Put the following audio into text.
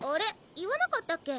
言わなかったっけ？